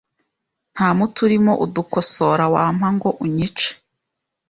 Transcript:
Nta muti urimo udukosora wampa ngo unyice